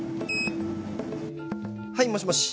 はいもしもし